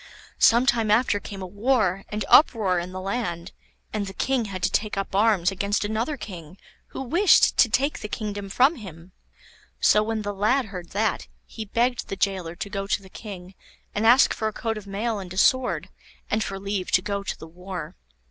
Some time after came a war and uproar in the land, and the King had to take up arms against another king who wished to take the kingdom from him. So when the lad heard that, he begged the gaoler to go to the King and ask for a coat of mail and a sword, and for leave to go to the war.